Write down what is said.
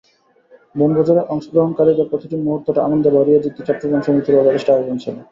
বনভোজনে অংশগ্রহণকারীদের প্রতিটি মুহূর্তটা আনন্দে ভরিয়ে দিতে চট্টগ্রাম সমিতিরও যথেষ্ট আয়োজন ছিল।